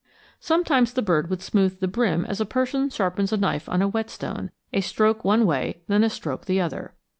Sometimes the bird would smooth the brim as a person sharpens a knife on a whetstone, a stroke one way and then a stroke the other.